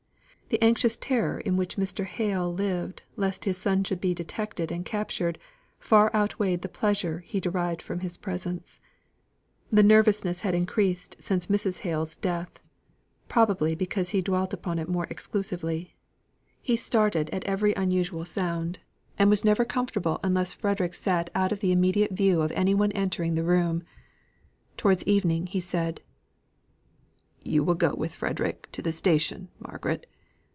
The anxious terror in which Mr. Hale lived lest his son should be detected and captured, far outweighed the pleasure he derived from his presence. The nervousness had increased since Mrs. Hale's death, probably because he dwelt upon it more exclusively. He started at every unusual sound, and was never comfortable unless Frederick sate out of the immediate view of any one entering the room. Towards evening he said: "You will go with Frederick to the station, Margaret?